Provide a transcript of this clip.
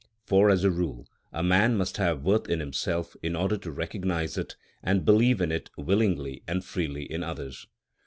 For as a rule a man must have worth in himself in order to recognise it and believe in it willingly and freely in others.